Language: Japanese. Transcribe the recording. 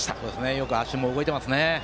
よく足も動いていますね。